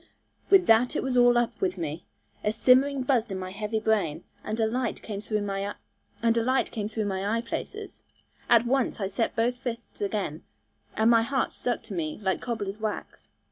With that it was all up with me. A simmering buzzed in my heavy brain, and a light came through my eyeplaces. At once I set both fists again, and my heart stuck to me like cobbler's wax.